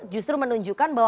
justru menunjukkan bahwa